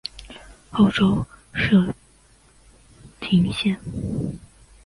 后周设莘亭县。